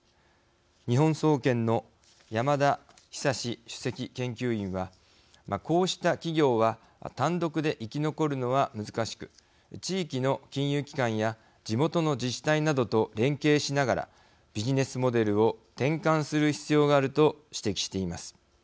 日本総研の山田久主席研究員は「こうした企業は単独で生き残るのは難しく地域の金融機関や地元の自治体などと連携しながらビジネスモデルを転換する必要がある」と指摘しています。